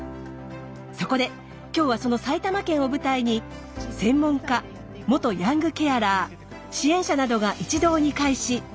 そこで今日はその埼玉県を舞台に専門家元ヤングケアラー支援者などが一堂に会し徹底議論。